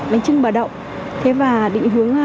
bánh trưng bờ đậu thế và định hướng